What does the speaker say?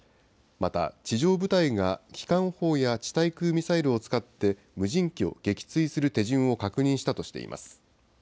また、地上部隊が機関砲や地対空ミサイルを使って、無人機を撃墜する手順を確認したとしています。